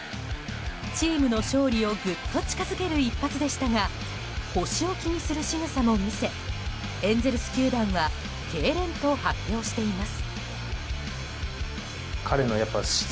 チームの勝利をぐっと近づける一発でしたが腰を気にするしぐさも見せエンゼルス球団はけいれんと発表しています。